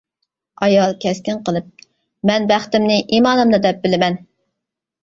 ئايال كەسكىن قىلىپ: مەن بەختىمنى ئىمانىمدا دەپ بىلىمەن.